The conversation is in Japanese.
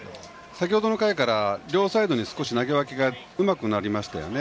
先程の回から両サイドに投げ分けがうまくなりましたよね。